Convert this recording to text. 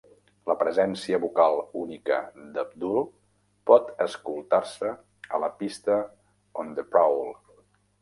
La presència vocal única d'Abdul pot escoltar-se a la pista On the Prowl.